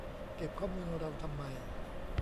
เก็บข้อมูลเราทำไม ?